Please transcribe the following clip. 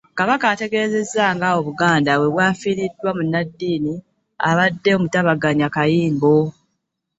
Kabaka ategeezezza nga obuganda bwe bufiiriddwa munnaddiini abadde omutabaganya kayingo.